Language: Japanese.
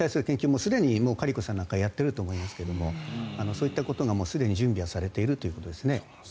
もうすでにカリコさんはやっていると思いますがそういったことがもうすでに準備はされているということですね。